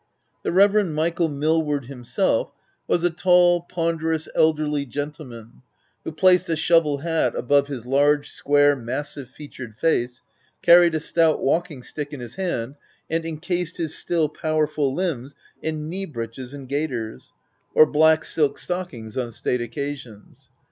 The Reverend Michael Millward, himself, was a tall, ponderous, elderly gentleman, who placed a shovel hat above his large, square, massive featured face, carried a stout walking stick in his hand, and incased his still powerful 24 THE TENANT limbs in knee breeches and gaiters, — or black silk stockings on state occasions.